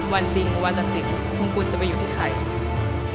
วันจริงวันตัดสินของคุณกุลจะไปอยู่ที่ใคร